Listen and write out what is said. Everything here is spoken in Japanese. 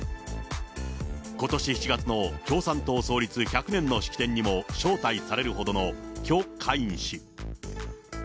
ことし７月の共産党創立１００年の式典にも招待されるほどの許家印氏。